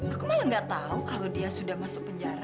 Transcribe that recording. aku malah nggak tahu kalau dia sudah masuk penjara